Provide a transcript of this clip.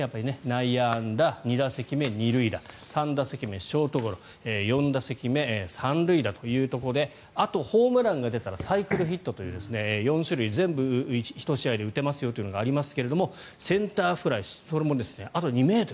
内野安打、２打席目２塁打３打席目ショートゴロ４打席目３塁打というところであとホームランが出たらサイクルヒットという４種類全部１試合で打てますよというのがありますがセンターフライそれもあと２ｍ。